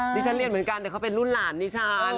ที่ฉันเรียนเหมือนกันแต่เขาเป็นรุ่นหลานดิฉัน